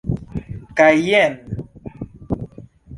Kaj jen!